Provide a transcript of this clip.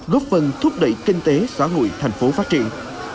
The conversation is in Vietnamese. góp phần thúc đẩy kinh tế xã hội thành phố phát triển